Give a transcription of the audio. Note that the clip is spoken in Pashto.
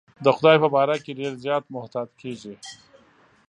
د خدای په باره کې ډېر زیات محتاط کېږي.